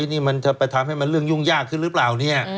นี่มันจะไปทำให้มันเรื่องยุ่งยากขึ้นหรือเปล่าเนี่ย